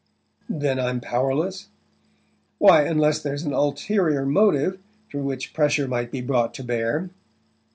"Then I'm powerless?" "Why unless there's an ulterior motive through which pressure might be brought to bear."